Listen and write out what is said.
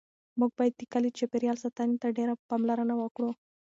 موږ باید د کلي د چاپیریال ساتنې ته ډېره پاملرنه وکړو.